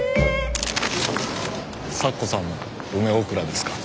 咲子さんも梅おくらですか？